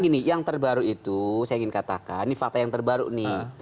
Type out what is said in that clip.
di media sosial baru itu saya ingin katakan ini fakta yang terbaru nih